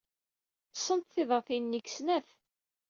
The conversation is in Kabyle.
Ḍḍsent tiḍatin-nni deg snat.